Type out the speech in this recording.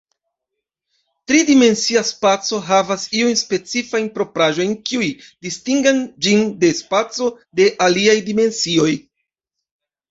Tri-dimensia spaco havas iujn specifajn propraĵojn, kiuj distingan ĝin de spacoj de aliaj dimensioj.